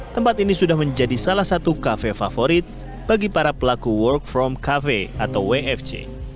tempat ini sudah menjadi salah satu kafe favorit bagi para pelaku work from cafe atau wfc